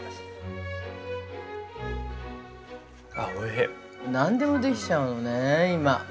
◆なんでもできちゃうのね、今。